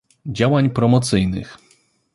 działań promocyjnych